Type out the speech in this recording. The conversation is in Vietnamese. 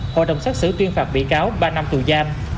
hội đồng xét xử tuyên phạt bị cáo ba năm tù giam